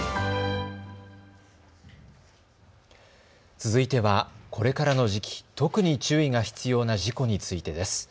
続いてはこれからの時期、特に注意が必要な事故についてです。